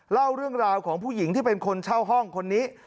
เล่าเรื่องราวของผู้หญิงที่เป็นคนเช่าห้องคนนี้